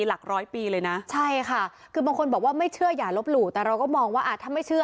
หลักร้อยปีเลยนะใช่ค่ะคือบางคนบอกว่าไม่เชื่ออย่าลบหลู่แต่เราก็มองว่าถ้าไม่เชื่อ